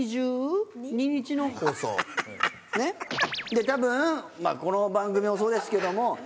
でたぶんこの番組もそうですけども。